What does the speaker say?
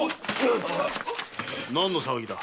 何の騒ぎだ？